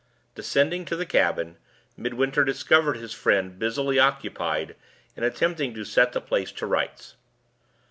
Descending to the cabin, Midwinter discovered his friend busily occupied in attempting to set the place to rights.